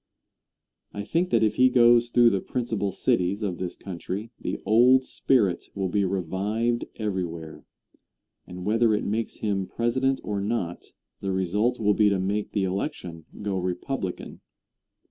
I think that if he goes through the principal cities of this country the old spirit will be revived everywhere, and whether it makes him President or not the result will be to make the election go Republican.